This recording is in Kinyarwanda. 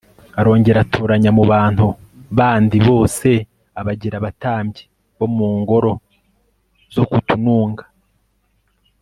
arongera atoranya mu bantu bandi bose abagira abatambyi bo mu ngoro zo ku tununga